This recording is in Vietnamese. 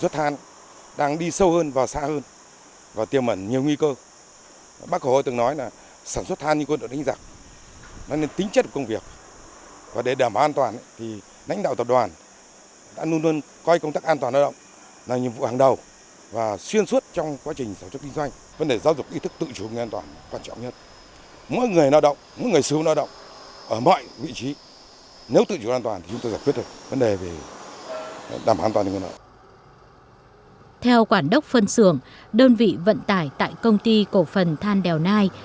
theo quản đốc phân xưởng đơn vị vận tải tại công ty cổ phần than đèo nai